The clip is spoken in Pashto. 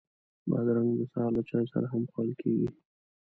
بادرنګ د سهار له چای سره هم خوړل کېږي.